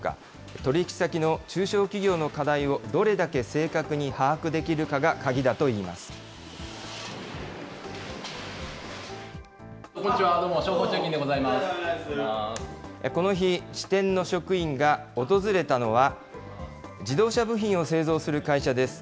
取り引き先の中小企業の課題をどれだけ正確に把握できるかが鍵だこんにちは、どうも、この日、支店の職員が訪れたのは、自動車部品を製造する会社です。